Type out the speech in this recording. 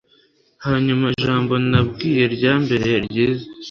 Hanyuma ijambo nabwiwe ryambereye ryiza